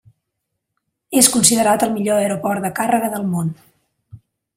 És considerat el millor aeroport de càrrega del món.